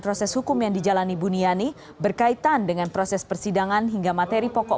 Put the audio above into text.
proses hukum yang dijalani buniani berkaitan dengan proses persidangan hingga materi pokok